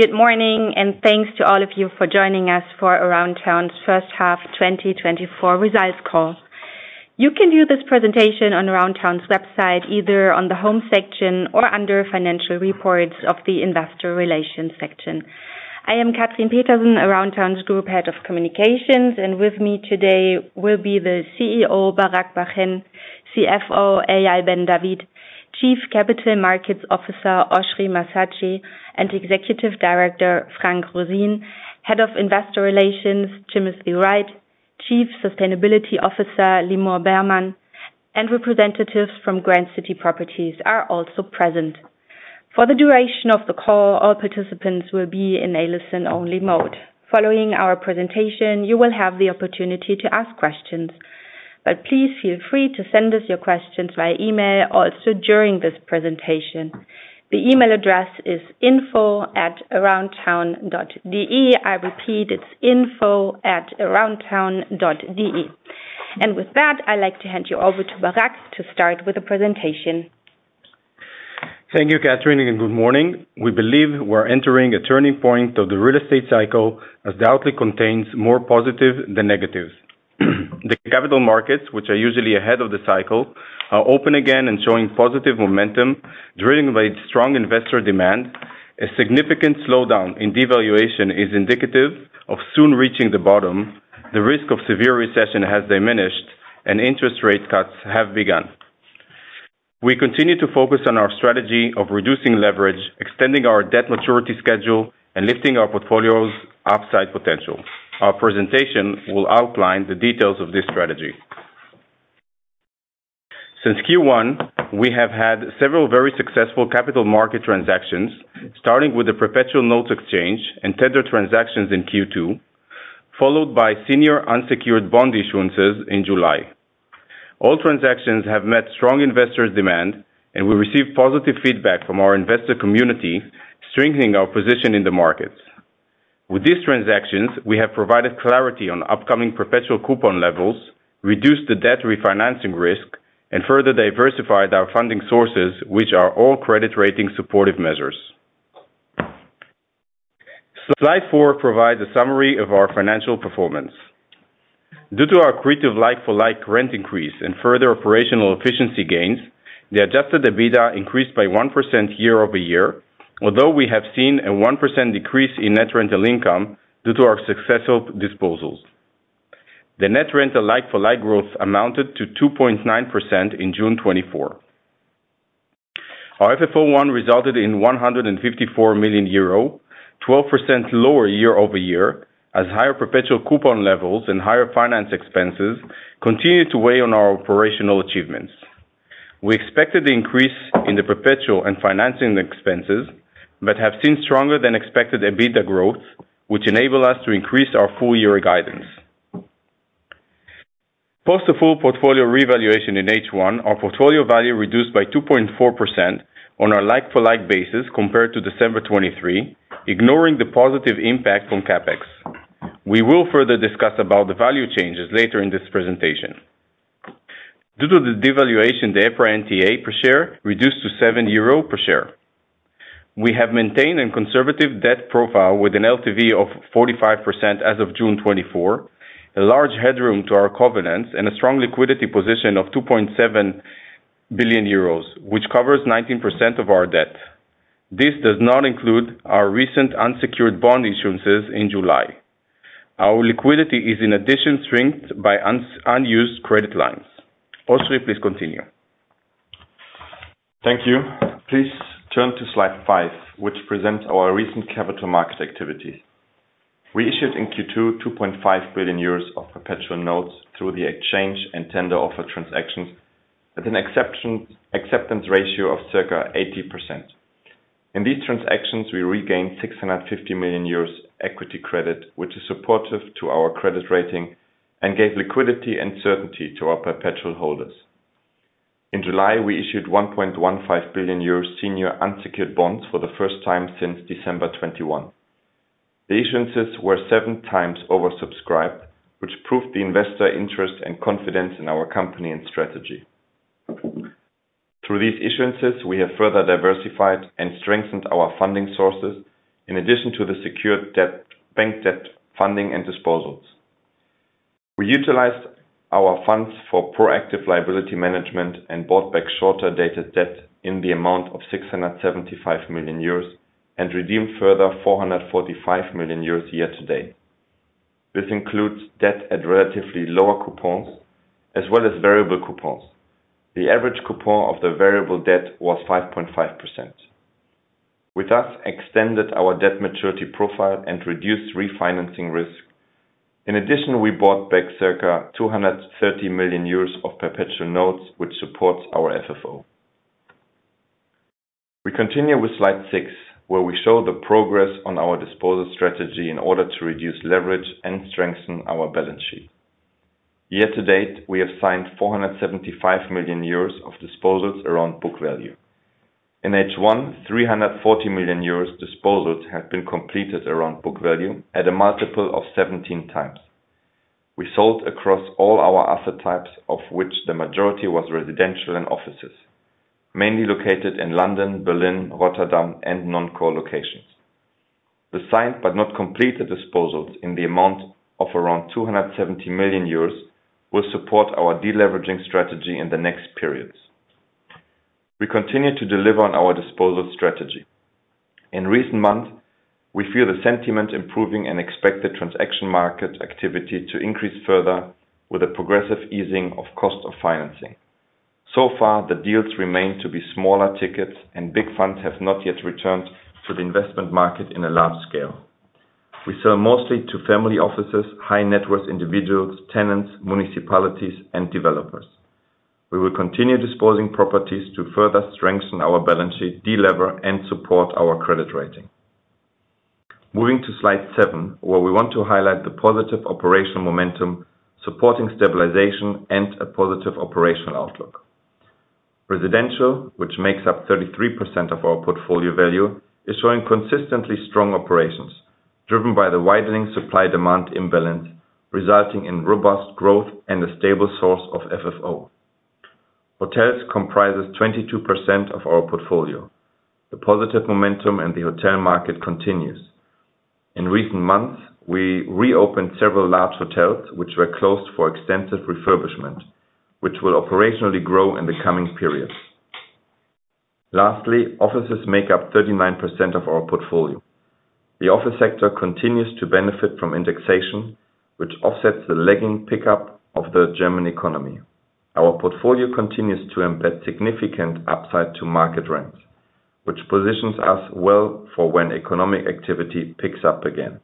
Good morning, and thanks to all of you for joining us for Aroundtown's first half 2024 results call. You can view this presentation on Aroundtown's website, either on the home section or under Financial Reports of the Investor Relations section. I am Katrin Petersen, Aroundtown's Group Head of Communications, and with me today will be the CEO, Barak Bar-Hen, CFO, Eyal Ben David, Chief Capital Markets Officer, Oschrie Massatschi, and Executive Director, Frank Roseen, Head of Investor Relations, Timothy Wright, Chief Sustainability Officer, Limor Bermann, and representatives from Grand City Properties are also present. For the duration of the call, all participants will be in a listen-only mode. Following our presentation, you will have the opportunity to ask questions, but please feel free to send us your questions via email also during this presentation. The email address is info@aroundtown.de. I repeat, it's info@aroundtown.de. With that, I'd like to hand you over to Barak to start with the presentation. Thank you, Katrin, and good morning. We believe we're entering a turning point of the real estate cycle, as data contains more positive than negatives. The capital markets, which are usually ahead of the cycle, are open again and showing positive momentum, driven by strong investor demand. A significant slowdown in devaluation is indicative of soon reaching the bottom. The risk of severe recession has diminished, and interest rate cuts have begun. We continue to focus on our strategy of reducing leverage, extending our debt maturity schedule, and lifting our portfolio's upside potential. Our presentation will outline the details of this strategy. Since Q1, we have had several very successful capital market transactions, starting with the perpetual notes exchange and tender transactions in Q2, followed by senior unsecured bond issuances in July. All transactions have met strong investor demand, and we received positive feedback from our investor community, strengthening our position in the markets. With these transactions, we have provided clarity on upcoming perpetual coupon levels, reduced the debt refinancing risk, and further diversified our funding sources, which are all credit rating supportive measures. Slide four provides a summary of our financial performance. Due to our accretive like-for-like rent increase and further operational efficiency gains, the Adjusted EBITDA increased by 1% year-over-year, although we have seen a 1% decrease in net rental income due to our successful disposals. The net rental like-for-like growth amounted to 2.9% in June 2024. Our FFO 1 resulted in 154 million euro, 12% lower year-over-year, as higher perpetual coupon levels and higher finance expenses continued to weigh on our operational achievements. We expected the increase in the perpetual and financing expenses, but have seen stronger than expected EBITDA growth, which enable us to increase our full year guidance. Post the full portfolio revaluation in H1, our portfolio value reduced by 2.4% on our like-for-like basis compared to December 2023, ignoring the positive impact from CapEx. We will further discuss about the value changes later in this presentation. Due to the devaluation, the EPRA NTA per share reduced to 7 euro per share. We have maintained a conservative debt profile with an LTV of 45% as of June 2024, a large headroom to our covenants, and a strong liquidity position of 2.7 billion euros, which covers 19% of our debt. This does not include our recent unsecured bond issuances in July. Our liquidity is in addition, strengthened by unused credit lines. Oschrie, please continue. Thank you. Please turn to slide 5, which presents our recent capital market activity. We issued in Q2, 2.5 billion euros of perpetual notes through the exchange and tender offer transactions, with an exceptional acceptance ratio of circa 80%. In these transactions, we regained 650 million euros equity credit, which is supportive to our credit rating and gave liquidity and certainty to our perpetual holders. In July, we issued 1.15 billion euros senior unsecured bonds for the first time since December 2021. The issuances were 7 times oversubscribed, which proved the investor interest and confidence in our company and strategy. Through these issuances, we have further diversified and strengthened our funding sources, in addition to the secured debt, bank debt, funding, and disposals. We utilized our funds for proactive liability management and bought back shorter-dated debt in the amount of 675 million euros, and redeemed further 445 million euros year to date. This includes debt at relatively lower coupons, as well as variable coupons. The average coupon of the variable debt was 5.5%. We, thus, extended our debt maturity profile and reduced refinancing risk. In addition, we bought back circa 230 million euros of perpetual notes, which supports our FFO. We continue with slide six, where we show the progress on our disposal strategy in order to reduce leverage and strengthen our balance sheet. Year to date, we have signed 475 million euros of disposals around book value. In H1, 340 million euros disposals have been completed around book value at a multiple of 17x. We sold across all our asset types, of which the majority was residential and offices, mainly located in London, Berlin, Rotterdam, and non-core locations. The signed but not completed disposals in the amount of around 270 million euros will support our deleveraging strategy in the next periods. We continue to deliver on our disposal strategy. In recent months, we feel the sentiment improving and expect the transaction market activity to increase further with a progressive easing of cost of financing. So far, the deals remain to be smaller tickets, and big funds have not yet returned to the investment market in a large scale. We sell mostly to family offices, high net worth individuals, tenants, municipalities, and developers. We will continue disposing properties to further strengthen our balance sheet, delever, and support our credit rating. Moving to slide 7, where we want to highlight the positive operational momentum, supporting stabilization, and a positive operational outlook. Residential, which makes up 33% of our portfolio value, is showing consistently strong operations, driven by the widening supply-demand imbalance, resulting in robust growth and a stable source of FFO. Hotels comprises 22% of our portfolio. The positive momentum in the hotel market continues. In recent months, we reopened several large hotels, which were closed for extensive refurbishment, which will operationally grow in the coming periods. Lastly, offices make up 39% of our portfolio. The office sector continues to benefit from indexation, which offsets the lagging pickup of the German economy. Our portfolio continues to embed significant upside to market rents, which positions us well for when economic activity picks up again.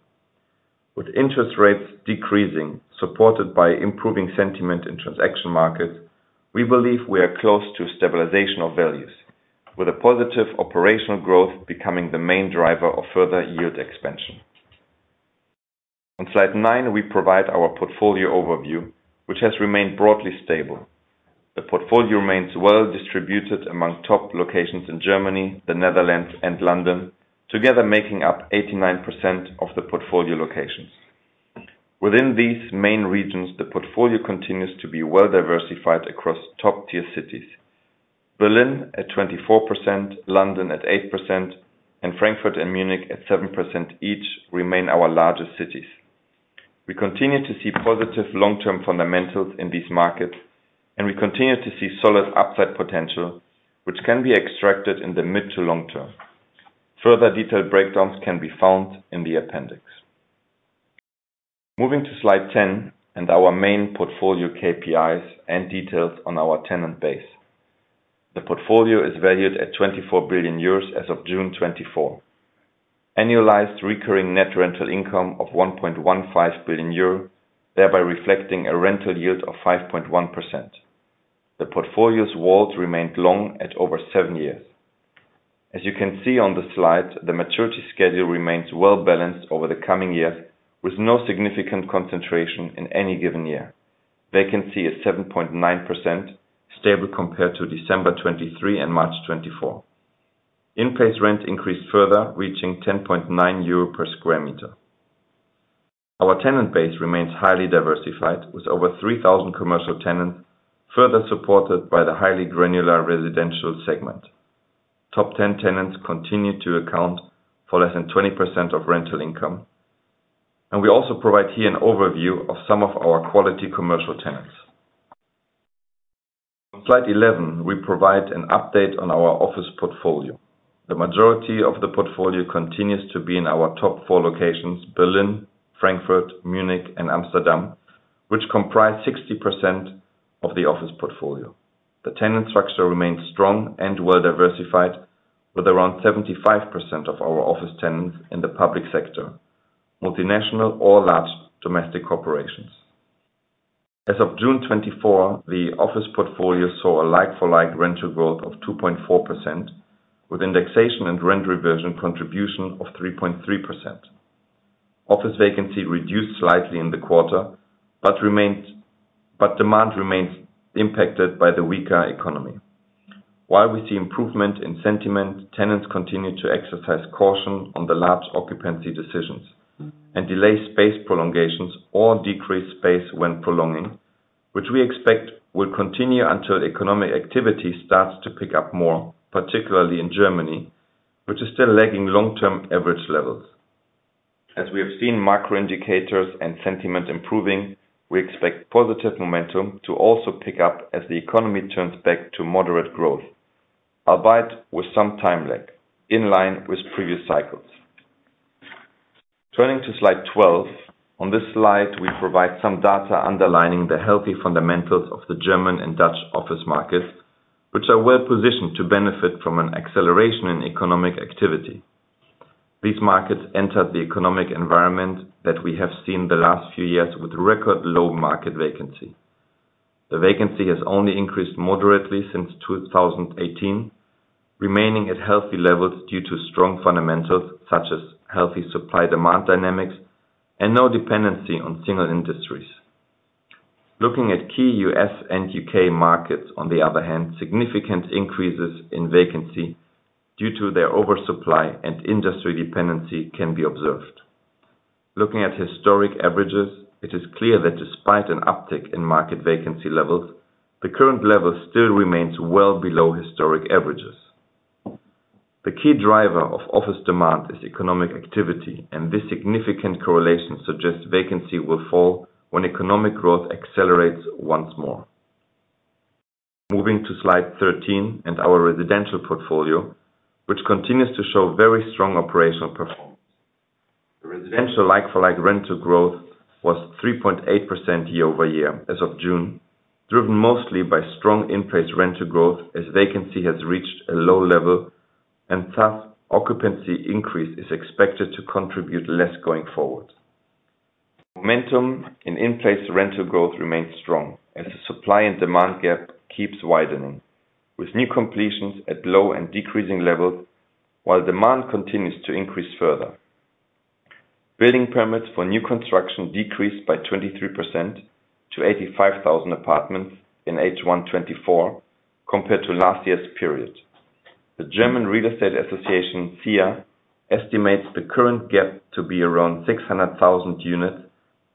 With interest rates decreasing, supported by improving sentiment in transaction markets, we believe we are close to stabilization of values, with a positive operational growth becoming the main driver of further yield expansion. On slide 9, we provide our portfolio overview, which has remained broadly stable. The portfolio remains well distributed among top locations in Germany, the Netherlands, and London, together making up 89% of the portfolio locations. Within these main regions, the portfolio continues to be well-diversified across top-tier cities. Berlin at 24%, London at 8%, and Frankfurt and Munich at 7% each, remain our largest cities. We continue to see positive long-term fundamentals in these markets, and we continue to see solid upside potential, which can be extracted in the mid to long term. Further detailed breakdowns can be found in the appendix. Moving to slide 10, and our main portfolio KPIs and details on our tenant base. The portfolio is valued at 24 billion euros as of June 2024. Annualized recurring net rental income of 1.15 billion euro, thereby reflecting a rental yield of 5.1%. The portfolio's WALT remained long at over 7 years. As you can see on the slide, the maturity schedule remains well balanced over the coming years, with no significant concentration in any given year. Vacancy is 7.9%, stable compared to December 2023 and March 2024. In-place rent increased further, reaching 10.9 euro per sq m. Our tenant base remains highly diversified, with over 3,000 commercial tenants, further supported by the highly granular residential segment. Top ten tenants continue to account for less than 20% of rental income, and we also provide here an overview of some of our quality commercial tenants. Slide 11, we provide an update on our office portfolio. The majority of the portfolio continues to be in our top four locations, Berlin, Frankfurt, Munich, and Amsterdam, which comprise 60% of the office portfolio. The tenant structure remains strong and well diversified, with around 75% of our office tenants in the public sector, multinational or large domestic corporations. As of June 2024, the office portfolio saw a like-for-like rental growth of 2.4%, with indexation and rent reversion contribution of 3.3%. Office vacancy reduced slightly in the quarter, but demand remains impacted by the weaker economy. While we see improvement in sentiment, tenants continue to exercise caution on the large occupancy decisions, and delay space prolongations or decrease space when prolonging, which we expect will continue until economic activity starts to pick up more, particularly in Germany, which is still lagging long-term average levels. As we have seen macro indicators and sentiment improving, we expect positive momentum to also pick up as the economy turns back to moderate growth, albeit with some time lag, in line with previous cycles. Turning to slide 12. On this slide, we provide some data underlining the healthy fundamentals of the German and Dutch office markets, which are well positioned to benefit from an acceleration in economic activity. These markets entered the economic environment that we have seen the last few years with record low market vacancy. The vacancy has only increased moderately since 2018, remaining at healthy levels due to strong fundamentals, such as healthy supply/demand dynamics and no dependency on single industries. Looking at key U.S. and U.K. markets, on the other hand, significant increases in vacancy due to their oversupply and industry dependency can be observed. Looking at historic averages, it is clear that despite an uptick in market vacancy levels, the current level still remains well below historic averages. The key driver of office demand is economic activity, and this significant correlation suggests vacancy will fall when economic growth accelerates once more. Moving to slide 13, and our residential portfolio, which continues to show very strong operational performance. The residential like-for-like rental growth was 3.8% year-over-year as of June, driven mostly by strong in-place rental growth, as vacancy has reached a low level, and thus, occupancy increase is expected to contribute less going forward. Momentum in in-place rental growth remains strong as the supply and demand gap keeps widening, with new completions at low and decreasing levels, while demand continues to increase further. Building permits for new construction decreased by 23% to 85,000 apartments in H1 2024, compared to last year's period. The German Real Estate Association, ZIA, estimates the current gap to be around 600,000 units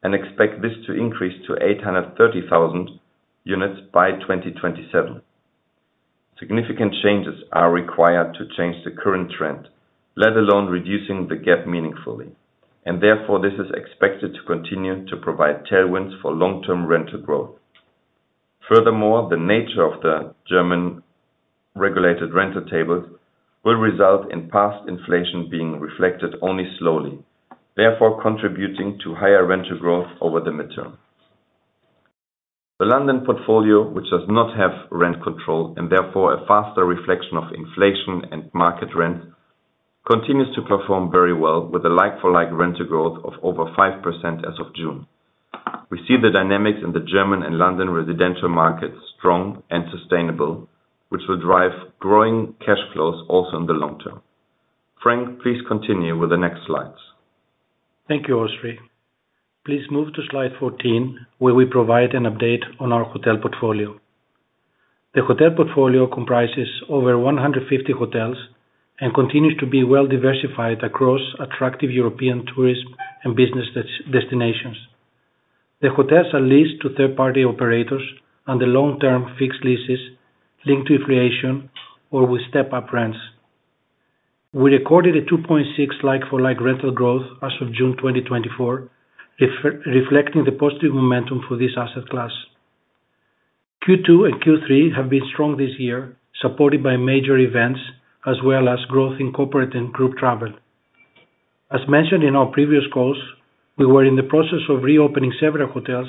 and expect this to increase to 830,000 units by 2027. Significant changes are required to change the current trend, let alone reducing the gap meaningfully, and therefore, this is expected to continue to provide tailwinds for long-term rental growth. Furthermore, the nature of the German regulated rental tables will result in past inflation being reflected only slowly, therefore contributing to higher rental growth over the midterm. The London portfolio, which does not have rent control and therefore a faster reflection of inflation and market rent, continues to perform very well with a like-for-like rental growth of over 5% as of June. We see the dynamics in the German and London residential markets strong and sustainable, which will drive growing cash flows also in the long term. Frank, please continue with the next slides. Thank you, Oschrie. Please move to slide 14, where we provide an update on our hotel portfolio. The hotel portfolio comprises over 150 hotels and continues to be well diversified across attractive European tourism and business destinations. The hotels are leased to third-party operators on the long-term fixed leases linked to inflation or with step-up rents. We recorded a 2.6 like-for-like rental growth as of June 2024, reflecting the positive momentum for this asset class. Q2 and Q3 have been strong this year, supported by major events as well as growth in corporate and group travel. As mentioned in our previous calls, we were in the process of reopening several hotels,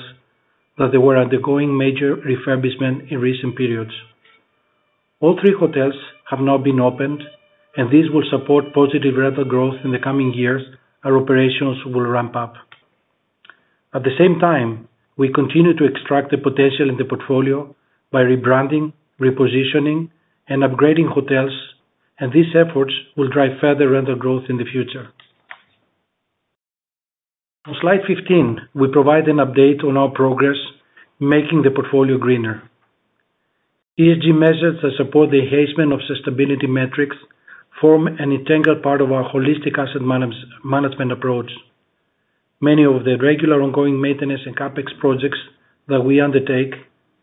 that they were undergoing major refurbishment in recent periods. All three hotels have now been opened, and this will support positive rental growth in the coming years. Our operations will ramp up. At the same time, we continue to extract the potential in the portfolio by rebranding, repositioning, and upgrading hotels, and these efforts will drive further rental growth in the future. On slide 15, we provide an update on our progress, making the portfolio greener. ESG measures that support the enhancement of sustainability metrics form an integral part of our holistic asset management approach. Many of the regular ongoing maintenance and CapEx projects that we undertake,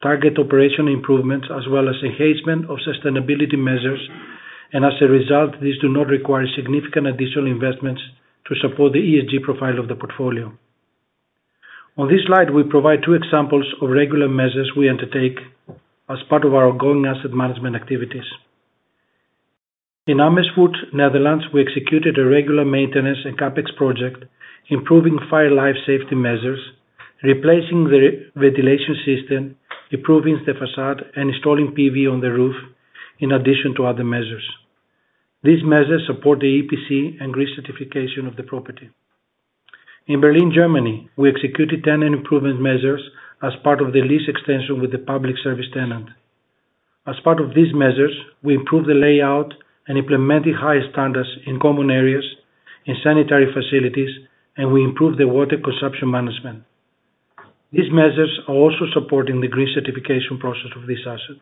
target operational improvements, as well as enhancement of sustainability measures, and as a result, these do not require significant additional investments to support the ESG profile of the portfolio. On this slide, we provide two examples of regular measures we undertake as part of our ongoing asset management activities. In Amersfoort, Netherlands, we executed a regular maintenance and CapEx project, improving fire life safety measures, replacing the ventilation system, improving the facade, and installing PV on the roof, in addition to other measures. These measures support the EPC and recertification of the property. In Berlin, Germany, we executed tenant improvement measures as part of the lease extension with the public service tenant. As part of these measures, we improved the layout and implemented high standards in common areas, in sanitary facilities, and we improved the water consumption management. These measures are also supporting the green certification process of this asset.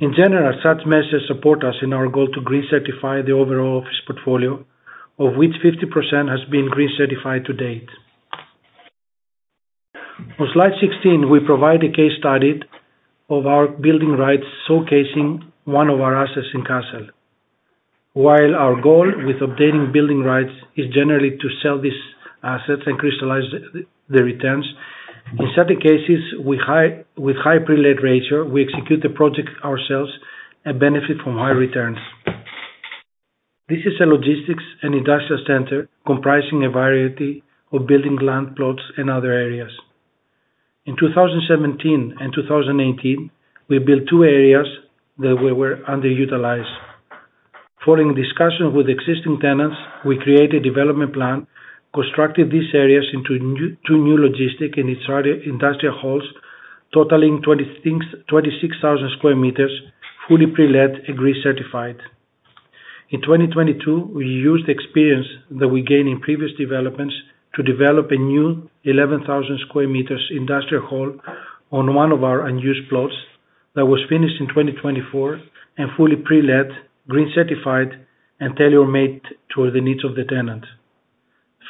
In general, such measures support us in our goal to green certify the overall office portfolio, of which 50% has been green certified to date. On slide 16, we provide a case study of our building rights, showcasing one of our assets in Cologne. While our goal with obtaining building rights is generally to sell these assets and crystallize the returns, in certain cases, with high pre-let ratio, we execute the project ourselves and benefit from high returns. This is a logistics and industrial center comprising a variety of building land plots and other areas. In 2017 and 2018, we built two areas that were underutilized. Following discussion with existing tenants, we created a development plan, constructing these areas into two new logistic and industrial halls, totaling 26,000 square meters, fully pre-let and green-certified....In 2022, we used the experience that we gained in previous developments to develop a new 11,000 square meters industrial hall on one of our unused plots that was finished in 2024 and fully pre-let, green certified, and tailor-made toward the needs of the tenant.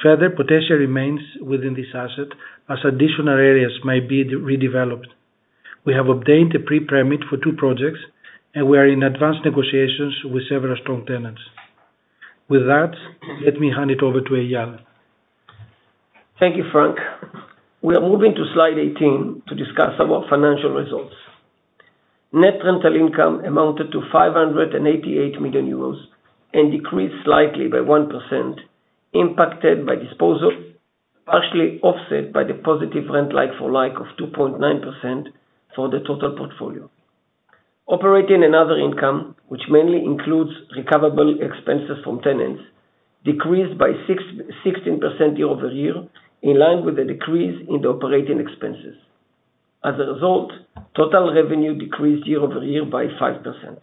Further potential remains within this asset, as additional areas may be redeveloped. We have obtained a pre-permit for two projects, and we are in advanced negotiations with several strong tenants. With that, let me hand it over to Eyal. Thank you, Frank. We are moving to slide 18 to discuss our financial results. Net rental income amounted to 588 million euros, and decreased slightly by 1%, impacted by disposal, partially offset by the positive rent like-for-like of 2.9% for the total portfolio. Operating other income, which mainly includes recoverable expenses from tenants, decreased by 16% year-over-year, in line with the decrease in the operating expenses. As a result, total revenue decreased year-over-year by 5%.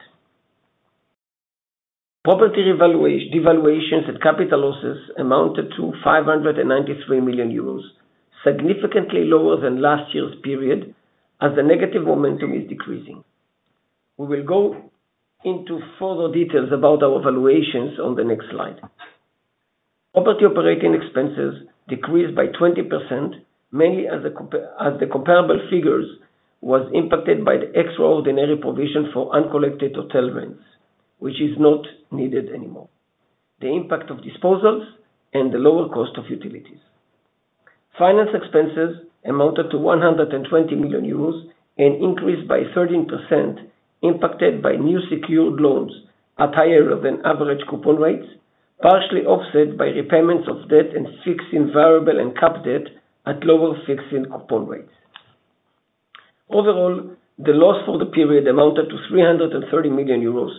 Property devaluations and capital losses amounted to 593 million euros, significantly lower than last year's period, as the negative momentum is decreasing. We will go into further details about our valuations on the next slide. Property operating expenses decreased by 20%, mainly as the comparable figures was impacted by the extraordinary provision for uncollected hotel rents, which is not needed anymore. The impact of disposals and the lower cost of utilities. Finance expenses amounted to 120 million euros, an increase by 13%, impacted by new secured loans at higher than average coupon rates, partially offset by repayments of debt and fixing variable and capped debt at lower fixed coupon rates. Overall, the loss for the period amounted to 330 million euros,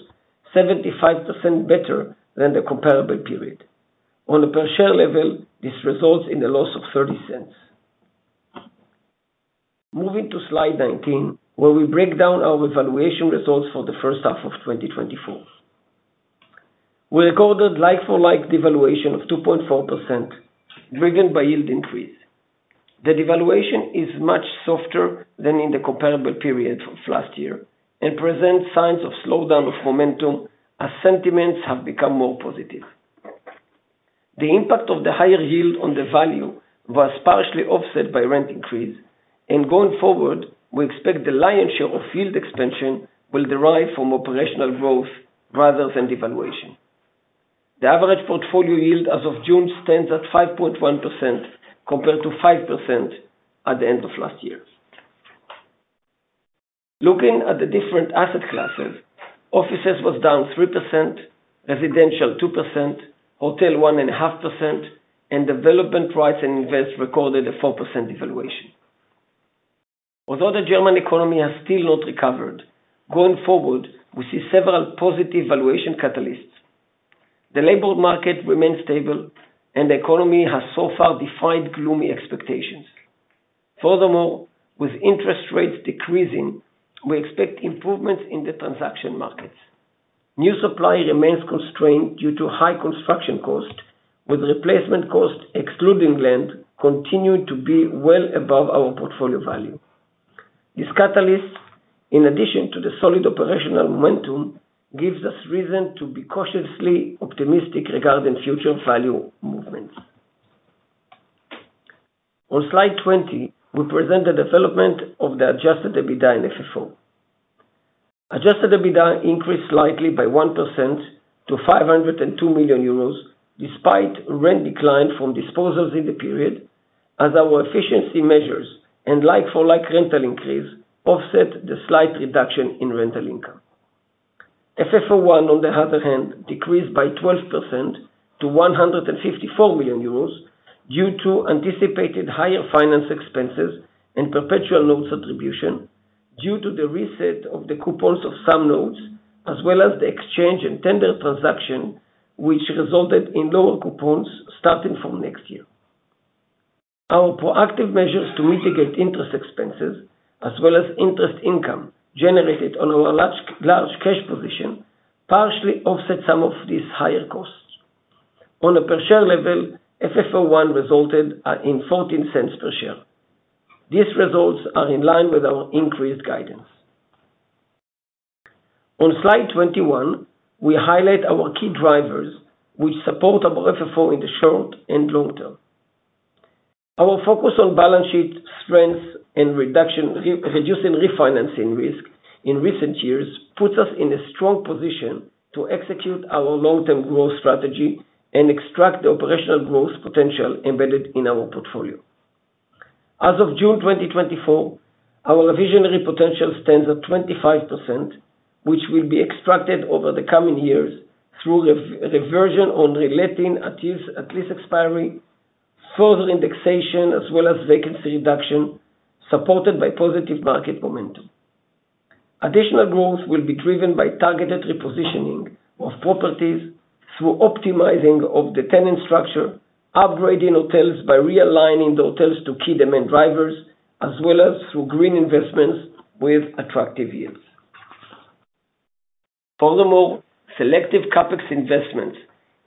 75% better than the comparable period. On a per share level, this results in a loss of 0.30 EUR. Moving to slide 19, where we break down our valuation results for the first half of 2024. We recorded like-for-like devaluation of 2.4%, driven by yield increase. The devaluation is much softer than in the comparable period of last year and presents signs of slowdown of momentum as sentiments have become more positive. The impact of the higher yield on the value was partially offset by rent increase, and going forward, we expect the lion's share of yield expansion will derive from operational growth rather than devaluation. The average portfolio yield as of June stands at 5.1%, compared to 5% at the end of last year. Looking at the different asset classes, offices was down 3%, residential 2%, hotel 1.5%, and development rights and invest recorded a 4% devaluation. Although the German economy has still not recovered, going forward, we see several positive valuation catalysts. The labor market remains stable and the economy has so far defied gloomy expectations. Furthermore, with interest rates decreasing, we expect improvements in the transaction markets. New supply remains constrained due to high construction costs, with replacement costs, excluding land, continuing to be well above our portfolio value. This catalyst, in addition to the solid operational momentum, gives us reason to be cautiously optimistic regarding future value movements. On slide 20, we present the development of the Adjusted EBITDA and FFO. Adjusted EBITDA increased slightly by 1% to 502 million euros, despite rent decline from disposals in the period, as our efficiency measures and like-for-like rental increase offset the slight reduction in rental income. FFO 1, on the other hand, decreased by 12% to 154 million euros due to anticipated higher finance expenses and perpetual notes attribution, due to the reset of the coupons of some notes, as well as the exchange and tender transaction, which resulted in lower coupons starting from next year. Our proactive measures to mitigate interest expenses, as well as interest income generated on our large, large cash position, partially offset some of these higher costs. On a per share level, FFO 1 resulted in 0.14 per share. These results are in line with our increased guidance. On slide 21, we highlight our key drivers, which support our FFO in the short and long term. Our focus on balance sheet strength and reduction, reducing refinancing risk in recent years, puts us in a strong position to execute our long-term growth strategy and extract the operational growth potential embedded in our portfolio. As of June 2024, our reversionary potential stands at 25%, which will be extracted over the coming years through reversion on reletting at lease expiry, further indexation, as well as vacancy reduction, supported by positive market momentum. Additional growth will be driven by targeted repositioning of properties through optimizing of the tenant structure, upgrading hotels by realigning the hotels to key demand drivers, as well as through green investments with attractive yields. Furthermore, selective CapEx investments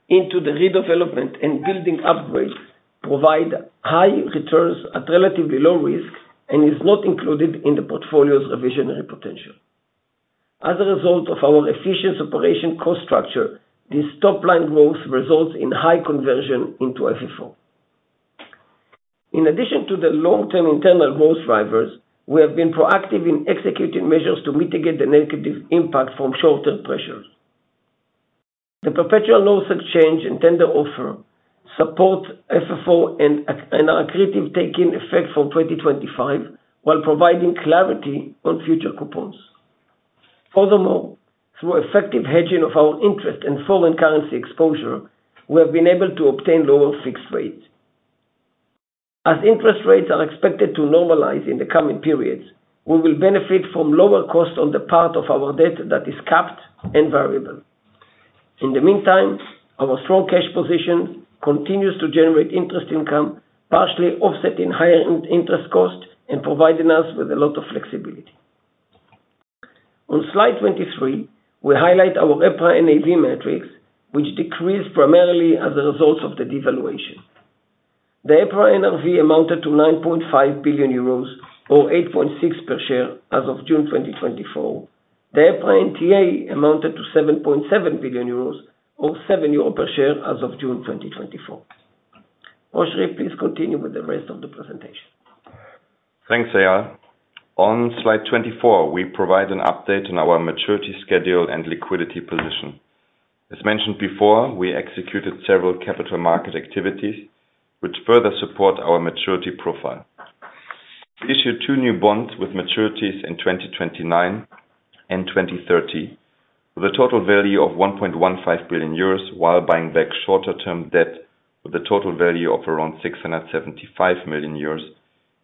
into the redevelopment and building upgrades provide high returns at relatively low risk, and is not included in the portfolio's reversionary potential. As a result of our efficient operation cost structure, this top-line growth results in high conversion into FFO. In addition to the long-term internal growth drivers, we have been proactive in executing measures to mitigate the negative impact from short-term pressures. The perpetual notes exchange and tender offer support FFO and are accretive, taking effect from 2025, while providing clarity on future coupons. Furthermore, through effective hedging of our interest and foreign currency exposure, we have been able to obtain lower fixed rates. As interest rates are expected to normalize in the coming periods, we will benefit from lower costs on the part of our debt that is capped and variable. In the meantime, our strong cash position continues to generate interest income, partially offsetting higher interest costs and providing us with a lot of flexibility. On slide 23, we highlight our EPRA NAV metrics, which decreased primarily as a result of the devaluation. The EPRA NAV amounted to 9.5 billion euros, or 8.6 per share, as of June 2024. The EPRA NTA amounted to 7.7 billion euros, or 7 euro per share, as of June 2024. Oschrie, please continue with the rest of the presentation. Thanks, Eyal. On slide 24, we provide an update on our maturity schedule and liquidity position. As mentioned before, we executed several capital market activities, which further support our maturity profile. We issued two new bonds with maturities in 2029 and 2030, with a total value of 1.15 billion euros, while buying back shorter-term debt with a total value of around 675 million euros,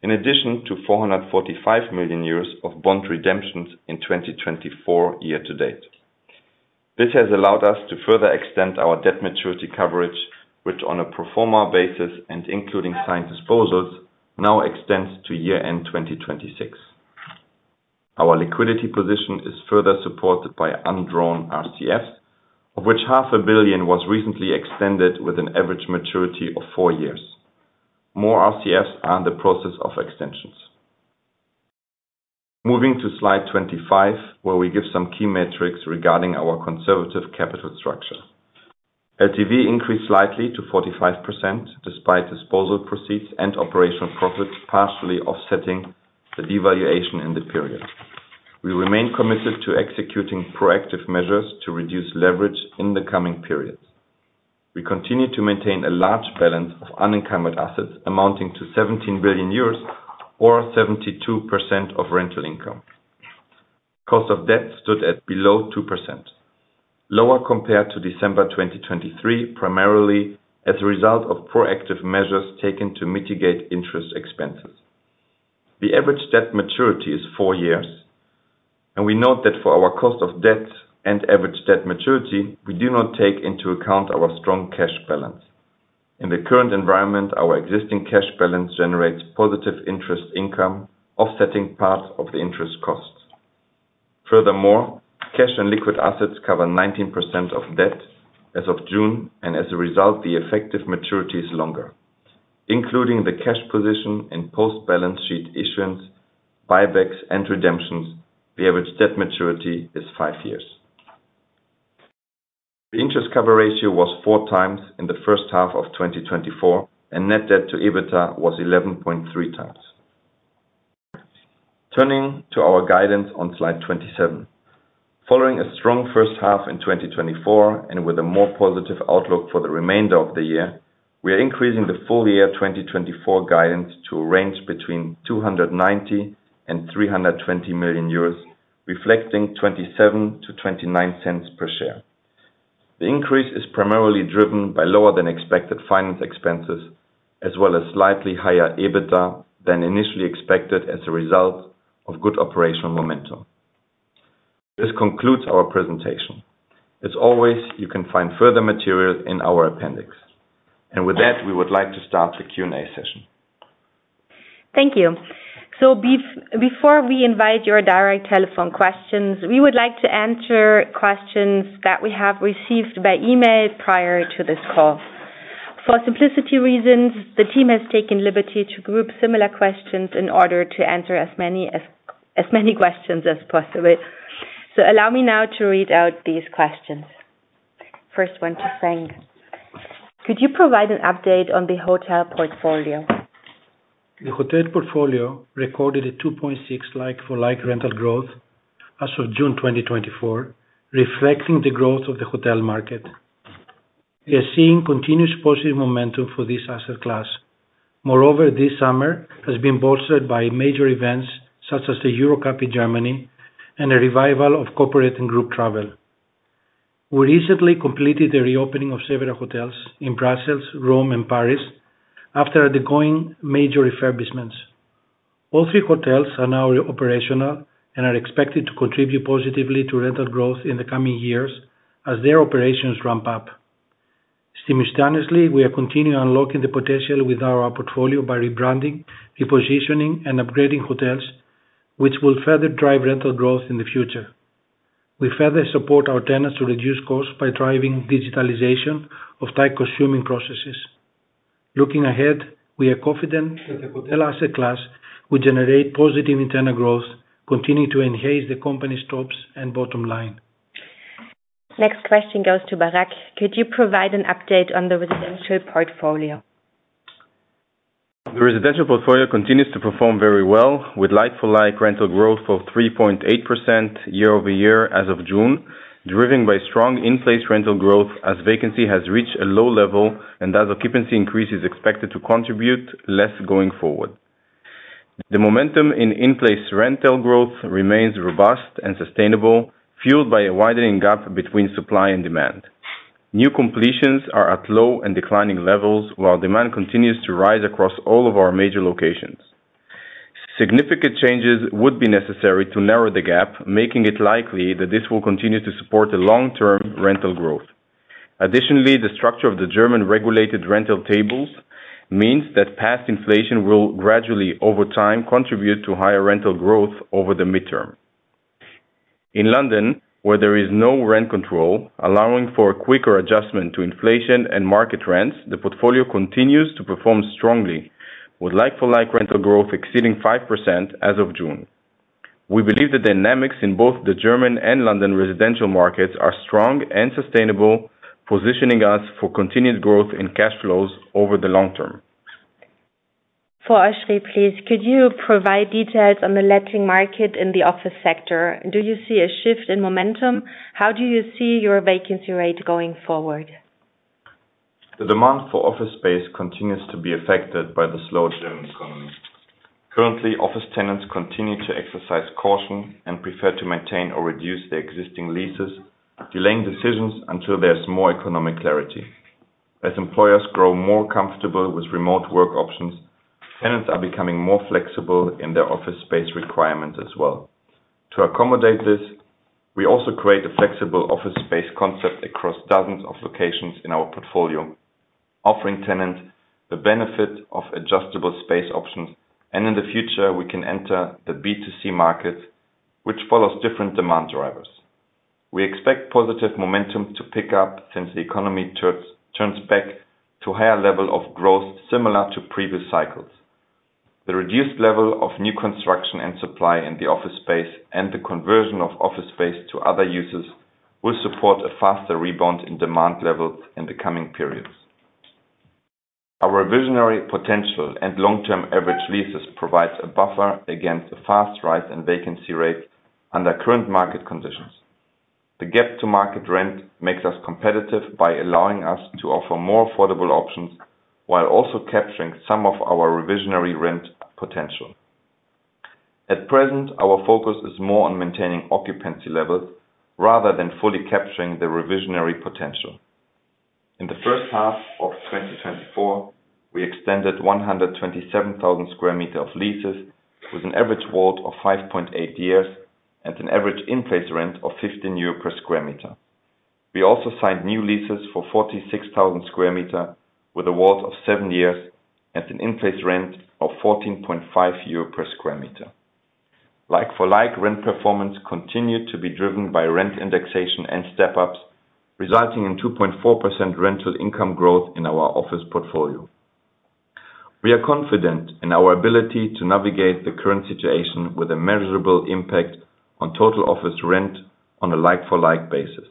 in addition to 445 million euros of bond redemptions in 2024 year to date. This has allowed us to further extend our debt maturity coverage, which on a pro forma basis and including signed disposals, now extends to year-end 2026. Our liquidity position is further supported by undrawn RCF, of which 500 million was recently extended with an average maturity of four years. More RCFs are in the process of extensions. Moving to slide 25, where we give some key metrics regarding our conservative capital structure. LTV increased slightly to 45%, despite disposal proceeds and operational profits, partially offsetting the devaluation in the period. We remain committed to executing proactive measures to reduce leverage in the coming periods. We continue to maintain a large balance of unencumbered assets amounting to 17 billion euros or 72% of rental income. Cost of debt stood at below 2%, lower compared to December 2023, primarily as a result of proactive measures taken to mitigate interest expenses. The average debt maturity is 4 years, and we note that for our cost of debt and average debt maturity, we do not take into account our strong cash balance. In the current environment, our existing cash balance generates positive interest income, offsetting part of the interest costs. Furthermore, cash and liquid assets cover 19% of debt as of June, and as a result, the effective maturity is longer. Including the cash position in post-balance sheet issuance, buybacks, and redemptions, the average debt maturity is five years. The interest cover ratio was 4 times in the first half in 2024, and net debt to EBITDA was 11.3 times. Turning to our guidance on slide 27. Following a strong first half in 2024, and with a more positive outlook for the remainder of the year, we are increasing the full year 2024 guidance to a range between 290 million and 320 million euros, reflecting 0.27-0.29 per share. The increase is primarily driven by lower than expected finance expenses, as well as slightly higher EBITDA than initially expected as a result of good operational momentum. This concludes our presentation. As always, you can find further materials in our appendix. With that, we would like to start the Q&A session. Thank you. Before we invite your direct telephone questions, we would like to answer questions that we have received by email prior to this call. For simplicity reasons, the team has taken liberty to group similar questions in order to answer as many questions as possible. Allow me now to read out these questions. First one to Frank: Could you provide an update on the hotel portfolio? The hotel portfolio recorded a 2.6 like-for-like rental growth as of June 2024, reflecting the growth of the hotel market. We are seeing continuous positive momentum for this asset class. Moreover, this summer has been bolstered by major events such as the Euro Cup in Germany and a revival of corporate and group travel. We recently completed the reopening of several hotels in Brussels, Rome, and Paris after undergoing major refurbishments.... All three hotels are now operational and are expected to contribute positively to rental growth in the coming years as their operations ramp up. Simultaneously, we are continuing unlocking the potential with our portfolio by rebranding, repositioning, and upgrading hotels, which will further drive rental growth in the future. We further support our tenants to reduce costs by driving digitalization of time-consuming processes. Looking ahead, we are confident that the hotel asset class will generate positive internal growth, continuing to enhance the company's top and bottom line. Next question goes to Barak. Could you provide an update on the residential portfolio? The residential portfolio continues to perform very well, with like-for-like rental growth of 3.8% year-over-year as of June, driven by strong in-place rental growth as vacancy has reached a low level, and as occupancy increase is expected to contribute less going forward. The momentum in in-place rental growth remains robust and sustainable, fueled by a widening gap between supply and demand. New completions are at low and declining levels, while demand continues to rise across all of our major locations. Significant changes would be necessary to narrow the gap, making it likely that this will continue to support the long-term rental growth. Additionally, the structure of the German regulated rental tables means that past inflation will gradually, over time, contribute to higher rental growth over the midterm. In London, where there is no rent control, allowing for a quicker adjustment to inflation and market rents, the portfolio continues to perform strongly, with like-for-like rental growth exceeding 5% as of June. We believe the dynamics in both the German and London residential markets are strong and sustainable, positioning us for continued growth in cash flows over the long term. For Oschrie, please, could you provide details on the letting market in the office sector? Do you see a shift in momentum? How do you see your vacancy rate going forward? The demand for office space continues to be affected by the slow German economy. Currently, office tenants continue to exercise caution and prefer to maintain or reduce their existing leases, delaying decisions until there's more economic clarity. As employers grow more comfortable with remote work options, tenants are becoming more flexible in their office space requirements as well. To accommodate this, we also create a flexible office space concept across dozens of locations in our portfolio, offering tenants the benefit of adjustable space options, and in the future, we can enter the B2C market, which follows different demand drivers. We expect positive momentum to pick up since the economy turns back to higher level of growth, similar to previous cycles. The reduced level of new construction and supply in the office space and the conversion of office space to other uses will support a faster rebound in demand levels in the coming periods. Our reversionary potential and long-term average leases provides a buffer against a fast rise in vacancy rate under current market conditions. The gap to market rent makes us competitive by allowing us to offer more affordable options, while also capturing some of our reversionary rent potential. At present, our focus is more on maintaining occupancy levels rather than fully capturing the reversionary potential. In the first half of 2024, we extended 127,000 square meters of leases with an average WALT of 5.8 years and an average in-place rent of 15 euro per square meter. We also signed new leases for 46,000 square meters, with a WALT of 7 years and an in-place rent of 14.5 euro per square meter. Like-for-like, rent performance continued to be driven by rent indexation and step-ups, resulting in 2.4% rental income growth in our office portfolio. We are confident in our ability to navigate the current situation with a measurable impact on total office rent on a like-for-like basis.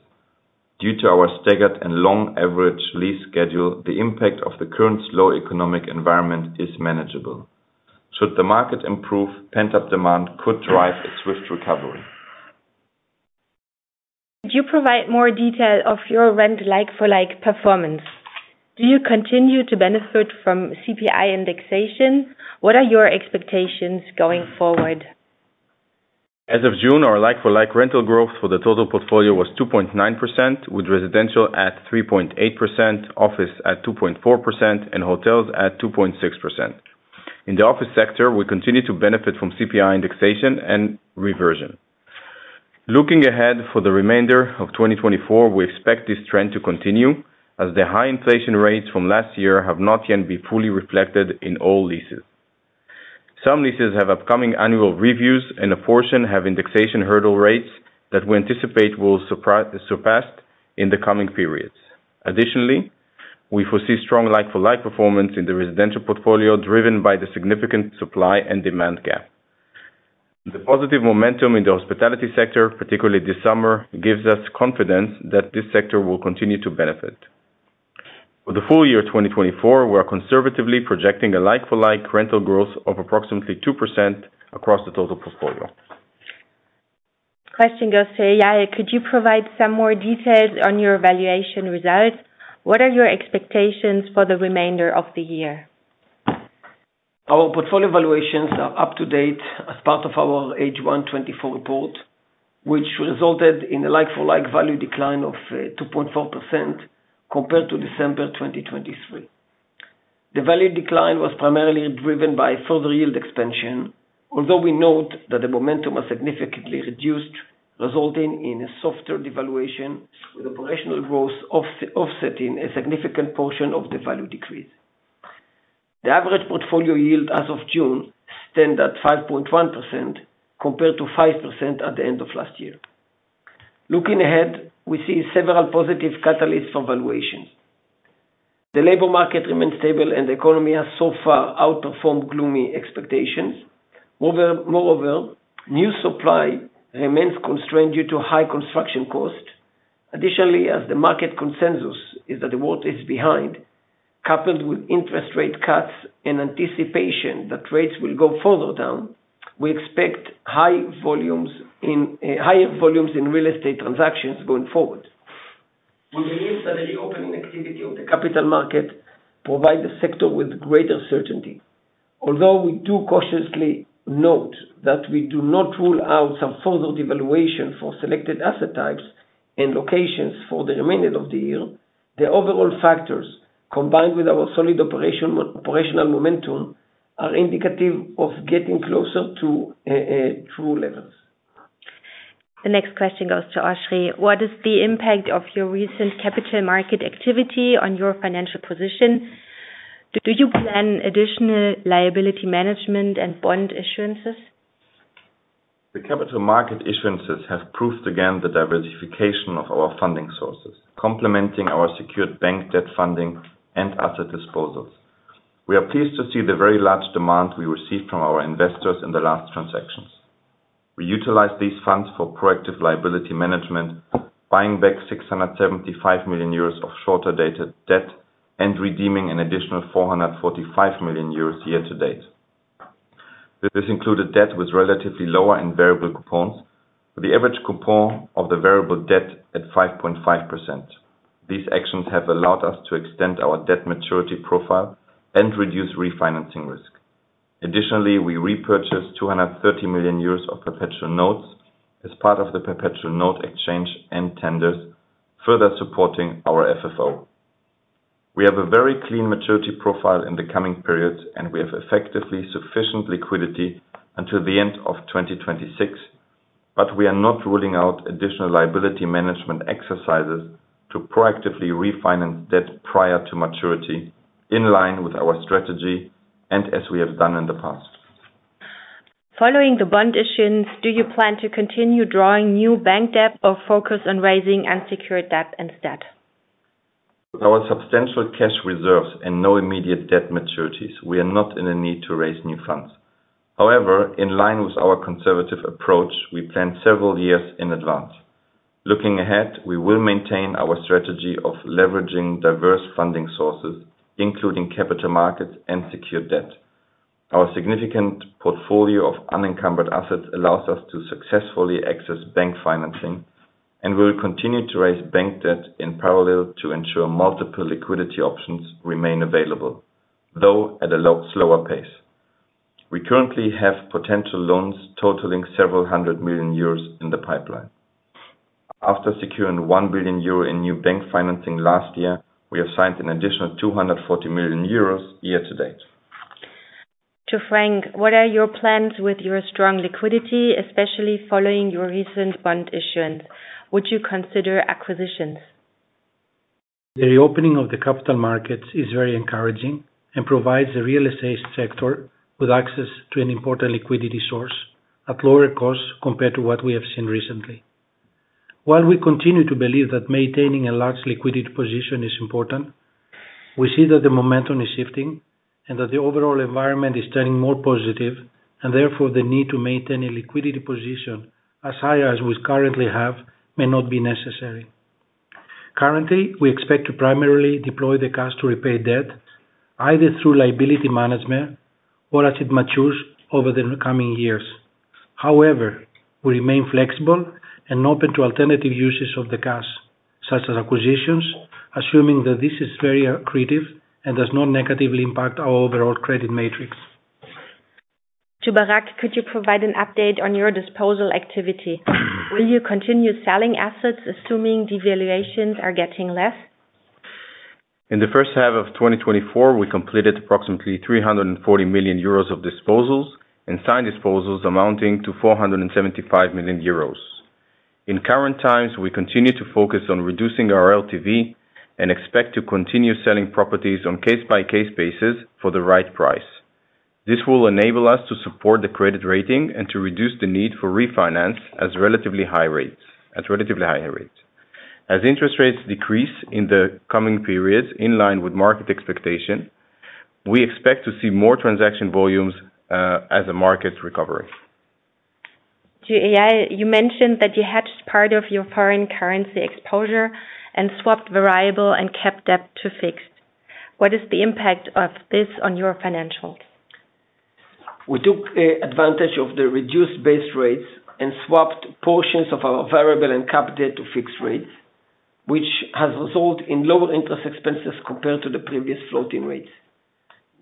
Due to our staggered and long average lease schedule, the impact of the current slow economic environment is manageable. Should the market improve, pent-up demand could drive a swift recovery. Could you provide more detail of your rent like-for-like performance? Do you continue to benefit from CPI indexation? What are your expectations going forward? As of June, our like-for-like rental growth for the total portfolio was 2.9%, with residential at 3.8%, office at 2.4%, and hotels at 2.6%. In the office sector, we continue to benefit from CPI indexation and reversion. Looking ahead for the remainder of 2024, we expect this trend to continue as the high inflation rates from last year have not yet been fully reflected in all leases. Some leases have upcoming annual reviews, and a portion have indexation hurdle rates that we anticipate will surpass in the coming periods. Additionally, we foresee strong like-for-like performance in the residential portfolio, driven by the significant supply and demand gap. The positive momentum in the hospitality sector, particularly this summer, gives us confidence that this sector will continue to benefit. For the full year 2024, we are conservatively projecting a like-for-like rental growth of approximately 2% across the total portfolio. Question goes to Eyal. Could you provide some more details on your valuation results? What are your expectations for the remainder of the year? Our portfolio valuations are up to date as part of our H1 2024 report.... which resulted in a like-for-like value decline of 2.4% compared to December 2023. The value decline was primarily driven by further yield expansion, although we note that the momentum was significantly reduced, resulting in a softer devaluation, with operational growth offsetting a significant portion of the value decrease. The average portfolio yield as of June stands at 5.1%, compared to 5% at the end of last year. Looking ahead, we see several positive catalysts for valuation. The labor market remains stable, and the economy has so far outperformed gloomy expectations. Moreover, new supply remains constrained due to high construction costs. Additionally, as the market consensus is that the worst is behind, coupled with interest rate cuts in anticipation that rates will go further down, we expect high volumes in, higher volumes in real estate transactions going forward. We believe that the reopening activity of the capital market provides the sector with greater certainty. Although we do cautiously note that we do not rule out some further devaluation for selected asset types and locations for the remainder of the year, the overall factors, combined with our solid operation, operational momentum, are indicative of getting closer to true levels. The next question goes to Oschrie. What is the impact of your recent capital market activity on your financial position? Do you plan additional liability management and bond issuances? The capital market issuances have proved again the diversification of our funding sources, complementing our secured bank debt funding and asset disposals. We are pleased to see the very large demand we received from our investors in the last transactions. We utilized these funds for proactive liability management, buying back 675 million euros of shorter-dated debt, and redeeming an additional 445 million euros year to date. This included debt with relatively lower and variable coupons, the average coupon of the variable debt at 5.5%. These actions have allowed us to extend our debt maturity profile and reduce refinancing risk. Additionally, we repurchased 230 million euros of perpetual notes as part of the perpetual note exchange and tenders, further supporting our FFO. We have a very clean maturity profile in the coming periods, and we have effectively sufficient liquidity until the end of 2026, but we are not ruling out additional liability management exercises to proactively refinance debt prior to maturity, in line with our strategy and as we have done in the past. Following the bond issuance, do you plan to continue drawing new bank debt or focus on raising unsecured debt instead? With our substantial cash reserves and no immediate debt maturities, we are not in a need to raise new funds. However, in line with our conservative approach, we plan several years in advance. Looking ahead, we will maintain our strategy of leveraging diverse funding sources, including capital markets and secured debt. Our significant portfolio of unencumbered assets allows us to successfully access bank financing, and we will continue to raise bank debt in parallel to ensure multiple liquidity options remain available, though at a low, slower pace. We currently have potential loans totaling several hundred million EUR in the pipeline. After securing 1 billion euro in new bank financing last year, we have signed an additional 240 million euros year to date. To Frank: What are your plans with your strong liquidity, especially following your recent bond issuance? Would you consider acquisitions? The reopening of the capital markets is very encouraging and provides the real estate sector with access to an important liquidity source at lower costs compared to what we have seen recently. While we continue to believe that maintaining a large liquidity position is important, we see that the momentum is shifting and that the overall environment is turning more positive, and therefore, the need to maintain a liquidity position as high as we currently have may not be necessary. Currently, we expect to primarily deploy the cash to repay debt, either through liability management or as it matures over the coming years. However, we remain flexible and open to alternative uses of the cash, such as acquisitions, assuming that this is very accretive and does not negatively impact our overall credit metrics. To Barak, could you provide an update on your disposal activity? Will you continue selling assets, assuming devaluations are getting less? In the first half of 2024, we completed approximately 340 million euros of disposals and signed disposals amounting to 475 million euros. In current times, we continue to focus on reducing our LTV and expect to continue selling properties on case-by-case basis for the right price. This will enable us to support the credit rating and to reduce the need for refinance at relatively high rates, at relatively higher rates. As interest rates decrease in the coming periods, in line with market expectation, we expect to see more transaction volumes, as the market recovers. To Eyal, you mentioned that you hedged part of your foreign currency exposure and swapped variable and capped debt to fixed. What is the impact of this on your financials? We took advantage of the reduced base rates and swapped portions of our variable and cap debt to fixed rates, which has resulted in lower interest expenses compared to the previous floating rates.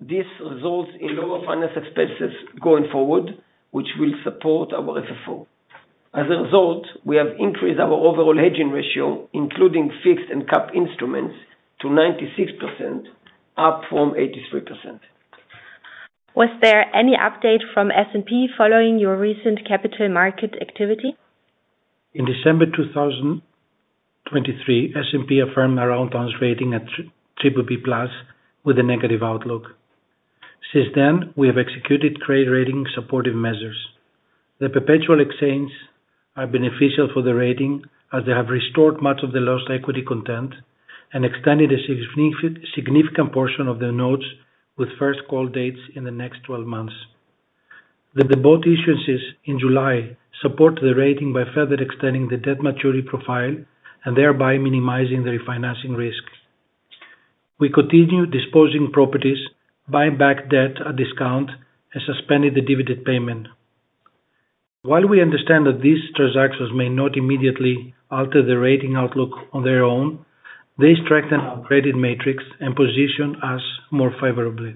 This results in lower finance expenses going forward, which will support our FFO. As a result, we have increased our overall hedging ratio, including fixed and cap instruments, to 96%, up from 83%. Was there any update from S&P following your recent capital market activity? In December 2023, S&P affirmed Aroundtown's rating at BBB+ with a negative outlook. Since then, we have executed trade rating supportive measures. The perpetual exchange are beneficial for the rating, as they have restored much of the lost equity content and extended a significant portion of their notes with first call dates in the next 12 months. The bond issuances in July support the rating by further extending the debt maturity profile and thereby minimizing the refinancing risk. We continue disposing properties, buying back debt at discount, and suspending the dividend payment. While we understand that these transactions may not immediately alter the rating outlook on their own, they strengthen our credit matrix and position us more favorably.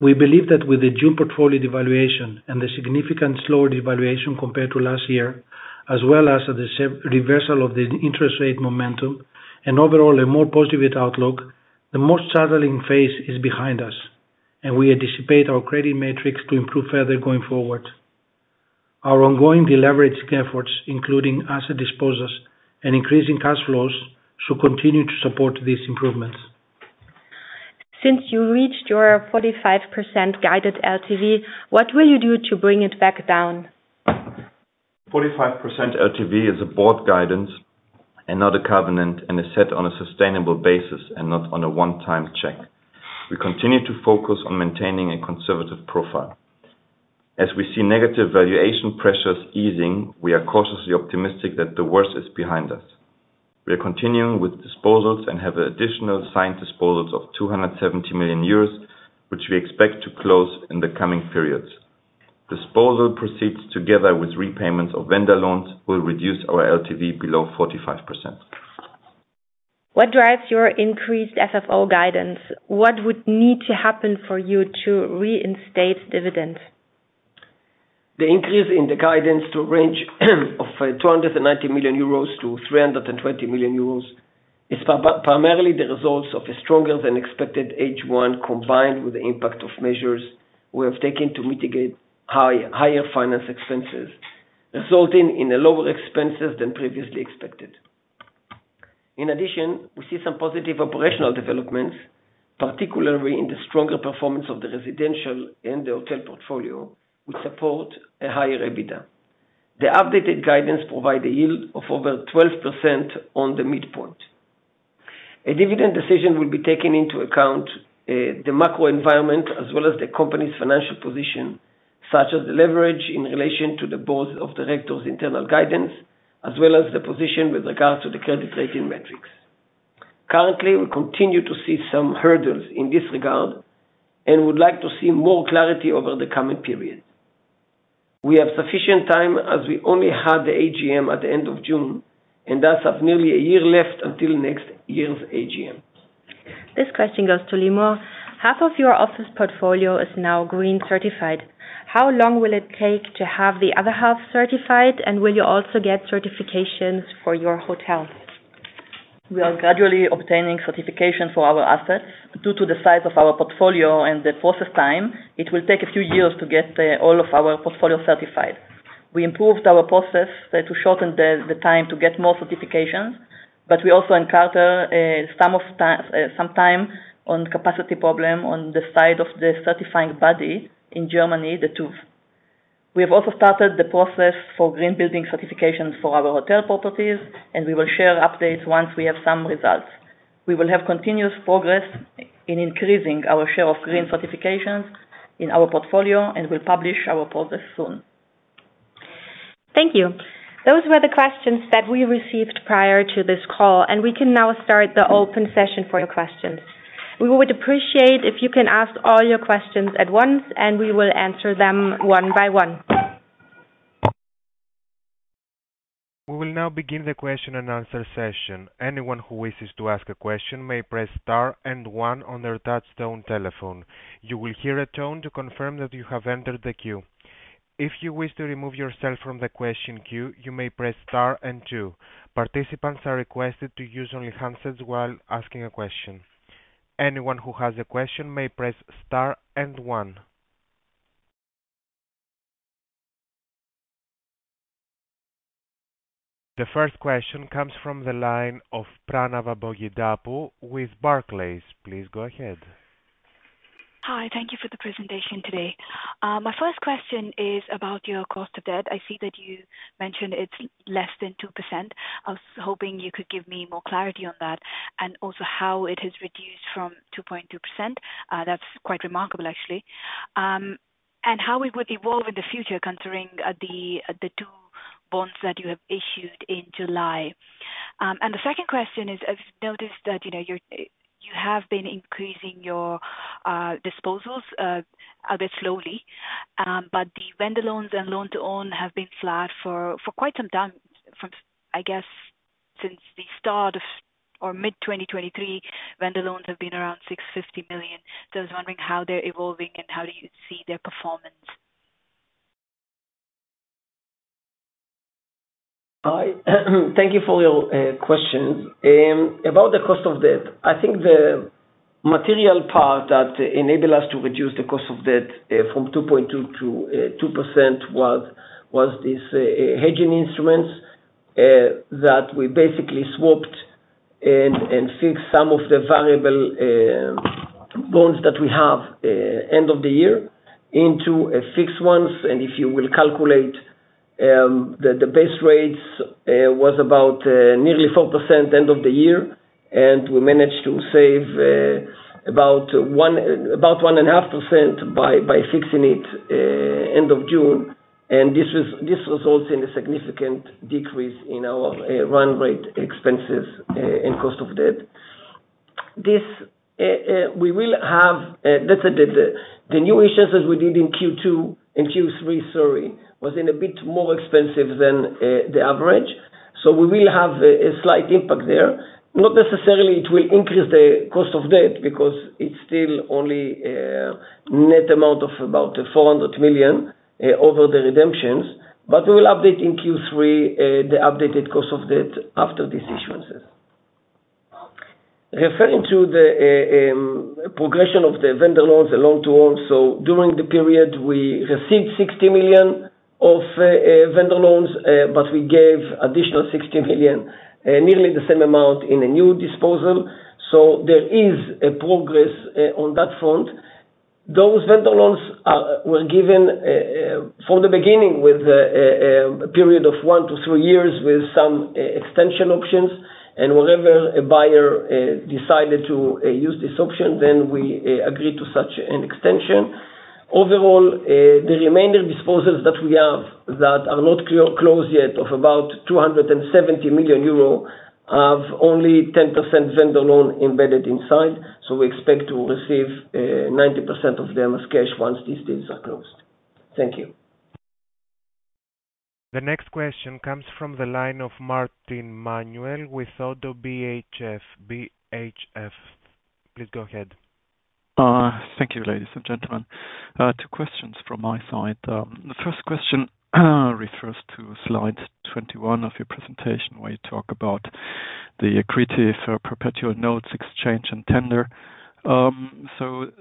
We believe that with the June portfolio devaluation and the significant slower devaluation compared to last year, as well as the reversal of the interest rate momentum and overall a more positive outlook, the most challenging phase is behind us, and we anticipate our credit metrics to improve further going forward. Our ongoing deleveraging efforts, including asset disposals and increasing cash flows, should continue to support these improvements. Since you reached your 45% guided LTV, what will you do to bring it back down? 45% LTV is a broad guidance and not a covenant, and is set on a sustainable basis and not on a one-time check. We continue to focus on maintaining a conservative profile. As we see negative valuation pressures easing, we are cautiously optimistic that the worst is behind us. We are continuing with disposals and have additional signed disposals of 270 million euros, which we expect to close in the coming periods. Disposal proceeds, together with repayments of vendor loans, will reduce our LTV below 45%. What drives your increased FFO guidance? What would need to happen for you to reinstate dividends? The increase in the guidance to a range of 290 million-320 million euros is primarily the results of a stronger than expected H1, combined with the impact of measures we have taken to mitigate higher finance expenses, resulting in a lower expenses than previously expected. In addition, we see some positive operational developments, particularly in the stronger performance of the residential and the hotel portfolio, which support a higher EBITDA. The updated guidance provide a yield of over 12% on the midpoint. A dividend decision will be taken into account the macro environment, as well as the company's financial position, such as the leverage in relation to the board of directors' internal guidance, as well as the position with regard to the credit rating metrics. Currently, we continue to see some hurdles in this regard and would like to see more clarity over the coming period. We have sufficient time, as we only had the AGM at the end of June, and thus have nearly a year left until next year's AGM. This question goes to Limor. Half of your office portfolio is now green certified. How long will it take to have the other half certified, and will you also get certifications for your hotel? We are gradually obtaining certification for our assets. Due to the size of our portfolio and the process time, it will take a few years to get all of our portfolio certified. We improved our process to shorten the time to get more certifications, but we also encounter some timing capacity problem on the side of the certifying body in Germany, the TÜV. We have also started the process for green building certifications for our hotel properties, and we will share updates once we have some results. We will have continuous progress in increasing our share of green certifications in our portfolio, and we'll publish our progress soon. Thank you. Those were the questions that we received prior to this call, and we can now start the open session for your questions. We would appreciate if you can ask all your questions at once, and we will answer them one by one. We will now begin the question-and-answer session. Anyone who wishes to ask a question may press star and one on their touchtone telephone. You will hear a tone to confirm that you have entered the queue. If you wish to remove yourself from the question queue, you may press star and two. Participants are requested to use only handsets while asking a question. Anyone who has a question may press star and one. The first question comes from the line of Pranava Boyidapu with Barclays. Please go ahead. Hi. Thank you for the presentation today. My first question is about your cost of debt. I see that you mentioned it's less than 2%. I was hoping you could give me more clarity on that, and also how it has reduced from 2.2%. That's quite remarkable, actually. And how it would evolve in the future, considering the two bonds that you have issued in July. And the second question is, I've noticed that, you know, you have been increasing your disposals a bit slowly, but the vendor loans and loan-to-own have been flat for quite some time, from the start of or mid 2023, vendor loans have been around 650 million. Just wondering how they're evolving and how do you see their performance? Hi. Thank you for your question. About the cost of debt, I think the material part that enabled us to reduce the cost of debt from 2.2% to 2% was this hedging instruments that we basically swapped and fixed some of the variable loans that we have end of the year into fixed ones. If you will calculate the base rates was about nearly 4% end of the year, and we managed to save about 1, about 1.5% by fixing it end of June. This results in a significant decrease in our run rate expenses and cost of debt. This, we will have, let's say, the new issuances we did in Q2 and Q3, sorry, was a bit more expensive than the average, so we will have a slight impact there. Not necessarily, it will increase the cost of debt because it's still only a net amount of about 400 million over the redemptions, but we will update in Q3 the updated cost of debt after these issuances. Referring to the progression of the vendor loans, the LTV overall. So during the period, we received 60 million of vendor loans, but we gave additional 60 million, nearly the same amount in a new disposal. So there is a progress on that front. Those vendor loans are, were given from the beginning with a period of one to three years with some extension options, and whenever a buyer decided to use this option, then we agreed to such an extension. Overall, the remaining disposals that we have that are not closed yet, of about 270 million euro, have only 10% vendor loan embedded inside, so we expect to receive 90% of them as cash once these deals are closed. Thank you. The next question comes from the line of Manuel Martin with ODDO BHF. Please go ahead. Thank you, ladies and gentlemen. Two questions from my side. The first question refers to slide 21 of your presentation, where you talk about the accretive perpetual notes exchange and tender. So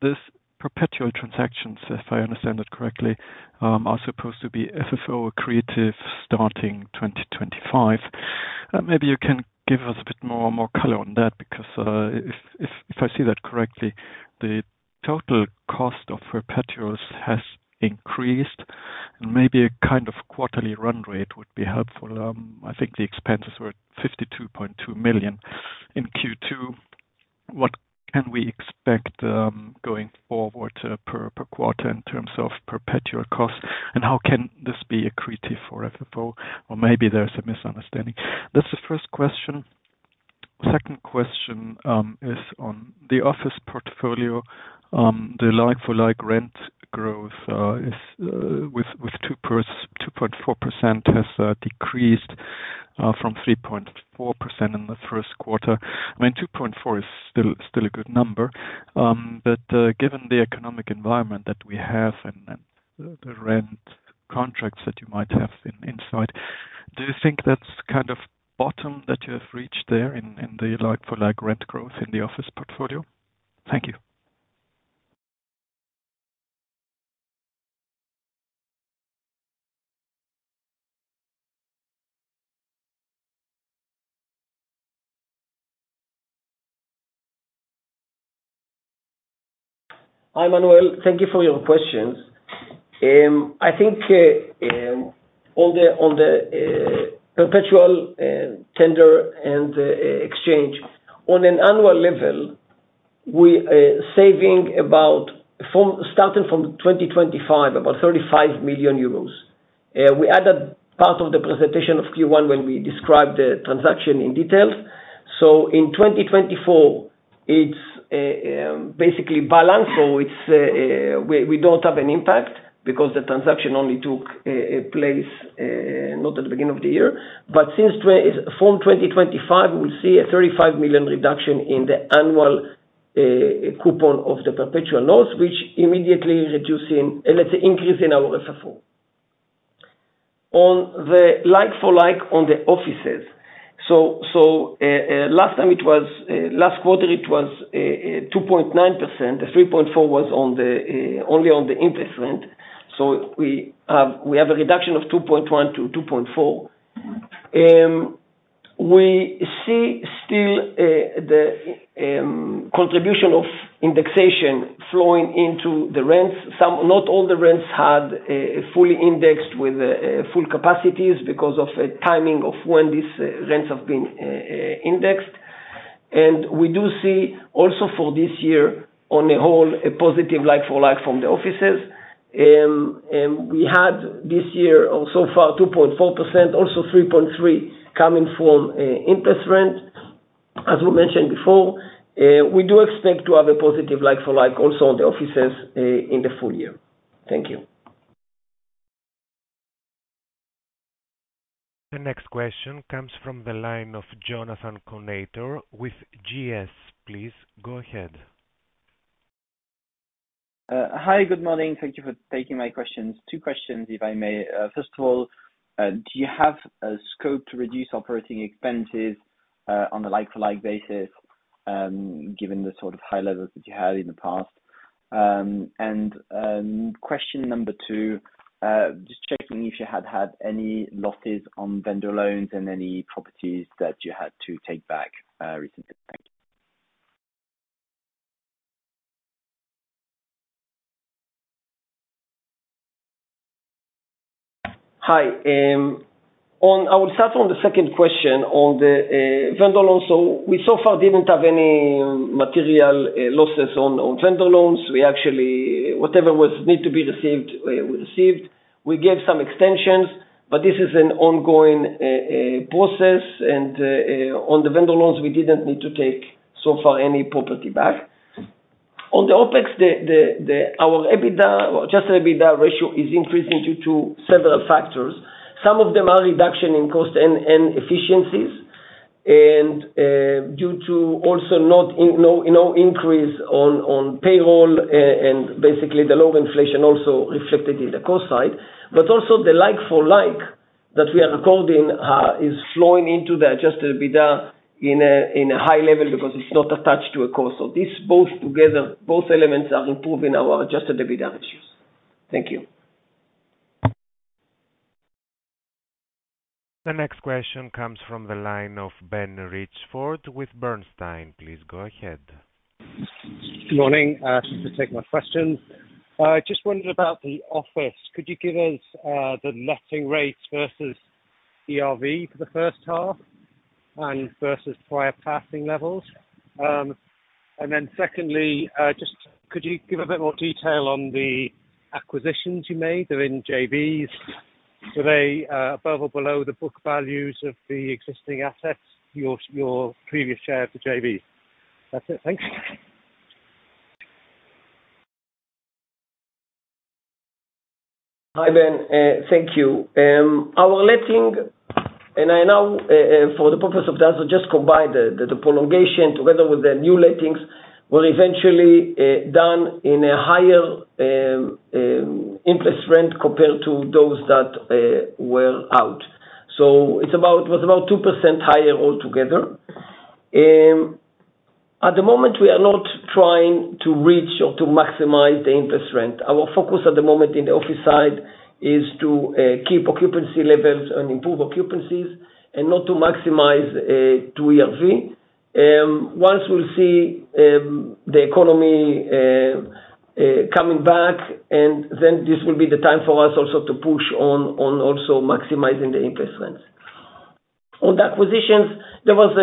this perpetual transactions, if I understand that correctly, are supposed to be FFO accretive starting 2025. Maybe you can give us a bit more color on that, because if I see that correctly, the total cost of perpetuals has increased, and maybe a kind of quarterly run rate would be helpful. I think the expenses were 52.2 million in Q2. What can we expect going forward per quarter in terms of perpetual cost? And how can this be accretive for FFO? Or maybe there's a misunderstanding. That's the first question. Second question is on the office portfolio. The like-for-like rent growth is with 2.4%, has decreased from 3.4% in the first quarter. I mean, 2.4 is still a good number. But given the economic environment that we have and then the rent contracts that you might have inside, do you think that's kind of bottom that you have reached there in the like-for-like rent growth in the office portfolio? Thank you. Hi, Manuel. Thank you for your questions. I think on the perpetual tender and exchange, on an annual level, we saving starting from 2025 about 35 million euros. We added part of the presentation of Q1 when we described the transaction in detail. So in 2024, it's basically balanced, so it's we don't have an impact because the transaction only took place not at the beginning of the year. But since from 2025, we see a 35 million reduction in the annual coupon of the perpetual loans, which immediately reducing, and let's say, increase in our FFO. On the like for like on the offices. So last time it was last quarter it was 2.9%. The 3.4 was on the only on the in-place rent, so we have a reduction of 2.1-2.4. We see still the contribution of indexation flowing into the rents. Some, not all the rents had fully indexed with full capacities because of a timing of when these rents have been indexed. And we do see also for this year, on the whole, a positive like for like from the offices. We had this year, so far, 2.4%, also 3.3 coming from in-place rent. As we mentioned before, we do expect to have a positive like for like also on the offices in the full year. Thank you. The next question comes from the line of Jonathan Kownator with GS. Please go ahead. Hi, good morning. Thank you for taking my questions. Two questions, if I may. First of all, do you have a scope to reduce operating expenses on a like-for-like basis, given the sort of high levels that you had in the past? And, question number two, just checking if you had had any losses on vendor loans and any properties that you had to take back, recently. Thank you. Hi. On... I will start on the second question on the vendor loans. So we so far didn't have any material losses on vendor loans. We actually, whatever was need to be received, we received. We gave some extensions, but this is an ongoing process, and on the vendor loans, we didn't need to take, so far, any property back. On the OpEx, the our EBITDA, adjusted EBITDA ratio is increasing due to several factors. Some of them are reduction in cost and efficiencies, and due to also not in, no increase on payroll, and basically, the low inflation also reflected in the cost side. But also the like-for-like that we are recording is flowing into the Adjusted EBITDA in a high level because it's not attached to a cost. So these both together, both elements are improving our Adjusted EBITDA ratios. Thank you. The next question comes from the line of Ben Richford with Bernstein. Please go ahead. Good morning. Thank you for taking my questions. I just wondered about the office. Could you give us the letting rates versus ERV for the first half and versus prior passing levels? And then secondly, just could you give a bit more detail on the acquisitions you made? They're in JVs. Were they above or below the book values of the existing assets, your previous share of the JVs? That's it. Thanks. Hi, Ben. Thank you. Our letting, and now, for the purpose of that, I'll just combine the prolongation together with the new lettings, were eventually done in a higher interest rent compared to those that were out. So it's about, was about 2% higher altogether. At the moment, we are not trying to reach or to maximize the in-place rents. Our focus at the moment in the office side is to keep occupancy levels and improve occupancies and not to maximize to ERV. Once we see the economy coming back, and then this will be the time for us also to push on also maximizing the in-place rents. On the acquisitions, there was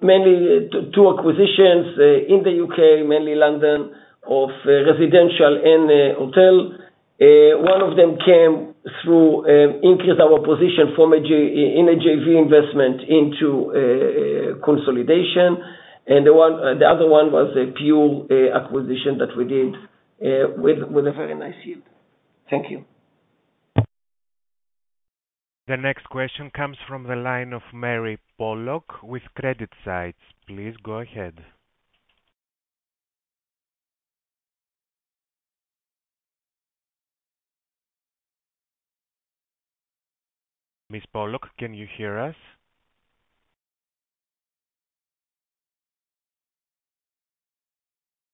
mainly two acquisitions in the UK, mainly London, of residential and a hotel. One of them came through, increase our position from a JV investment into a consolidation, and the other one was a pure acquisition that we did with a very nice yield. Thank you. The next question comes from the line of Mary Pollock with CreditSights. Please go ahead. Ms. Pollock, can you hear us?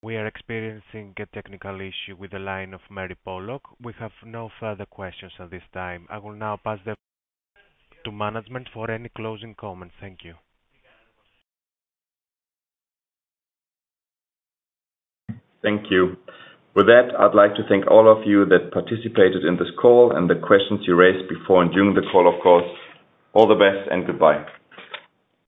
We are experiencing a technical issue with the line of Mary Pollock. We have no further questions at this time. I will now pass it to management for any closing comments. Thank you. Thank you. With that, I'd like to thank all of you that participated in this call and the questions you raised before and during the call, of course. All the best, and goodbye!